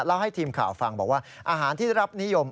ให้ทีมข่าวฟังบอกว่าอาหารที่รับนิยม